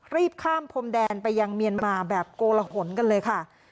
รีบข้ามพรมแดนไปยังเมียนมาแบบโกลหนกันเลยค่ะ